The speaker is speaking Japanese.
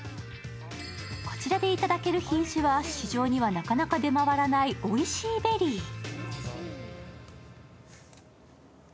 こちらで頂ける品種は市場にはなかなか出回らないおいＣベリー。